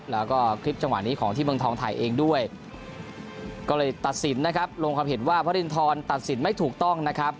แล้วก็คลิปจังหวะนี้ของที่เมืองทองถ่ายเองด้วยก็เลยตัดสินนะครับลงความเห็นว่าพระรินทรตัดสินไม่ถูกต้องนะครับ